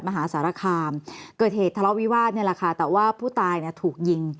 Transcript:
มหาศาลคามเกิดเหตุทะเลาะวิวาสเนี่ยล่ะคะแต่ว่าผู้ตายถูกยิง